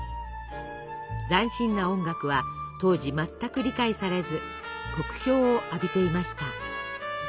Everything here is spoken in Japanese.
斬新な音楽は当時全く理解されず酷評を浴びていました。